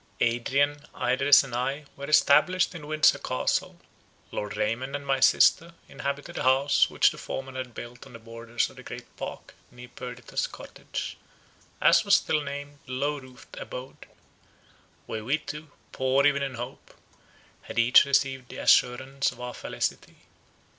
Adrian, Idris and I, were established in Windsor Castle; Lord Raymond and my sister, inhabited a house which the former had built on the borders of the Great Park, near Perdita's cottage, as was still named the low roofed abode, where we two, poor even in hope, had each received the assurance of our felicity.